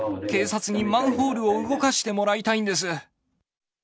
警察にマンホールを動かしてもらいたいんです。